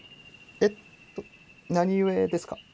えっと何故ですか？